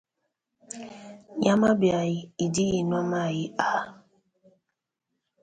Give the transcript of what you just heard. Nyama biayi idi inua mayi aa.